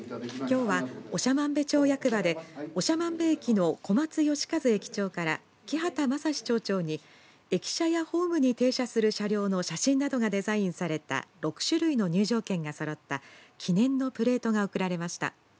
きょうは長万部役場で長万部駅の小松義和駅長から木幡正志町長に駅舎やホームに停車する車両の写真などがデザインされた６種類の入場券がそろった記念のプレートが贈られました。